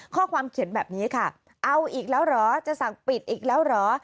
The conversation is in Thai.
ข้อความเขียนแบบนี้ค่ะเอาอีกแล้วเหรอจะสั่งปิดอีกแล้วเหรอ